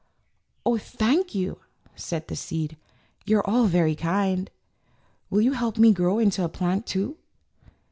"Oh, thank you," said the seed, "you're all very kind. Will you help me to grow into a plant, too?"